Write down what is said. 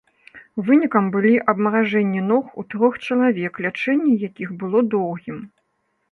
Вынікам былі абмаражэнні ног у трох чалавек, лячэнне якіх было доўгім.